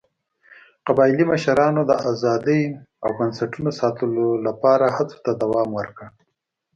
قبایلي مشرانو د ازادۍ او بنسټونو ساتلو لپاره هڅو ته دوام ورکړ.